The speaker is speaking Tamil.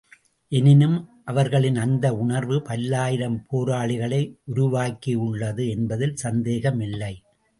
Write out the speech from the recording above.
எனினும், அவர்களின் அந்த உணர்வு பல்லாயிரம் போராளிகளை உருவாக்கியுள்ளது என்பதில் சந்தேகமில்லை.